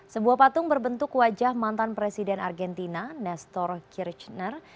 sebuah patung berbentuk wajah mantan presiden argentina nestor kirchner